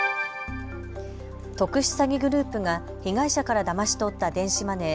特殊詐欺グループが被害者からだまし取った電子マネー